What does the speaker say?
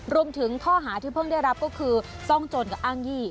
รวมถึงข้อหาที่เพิ่งได้รับก็คือซ่องโจรกับอ้างยี่